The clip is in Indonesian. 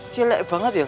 cilek banget ya